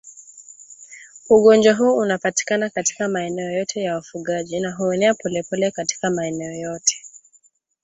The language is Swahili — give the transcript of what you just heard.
Ugonjwa huu unapatikana katika maeneo yote ya wafugaji na huenea polepole katika maeneo yote